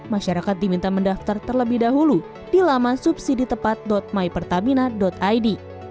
masyarakat diminta mendaftar terlebih dahulu di laman subsiditepat mypertamina id